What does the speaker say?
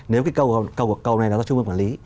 nếu cái cầu này là do trung ương quản lý